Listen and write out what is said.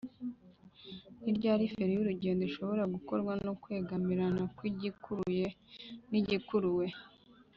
ni ryari feri y’urugendo ishobora gukorwa no kwegamirana kwigikuruye n’igikuruwe